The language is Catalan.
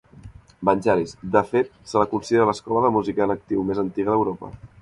Vangelis— De fet, se la considera l'escola de música en actiu més antiga d'Europa.